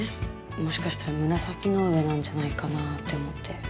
もしかしたら紫の上なんじゃないかなって思って。